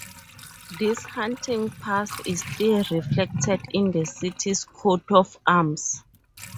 This hunting past is still reflected in the city's coat of arms.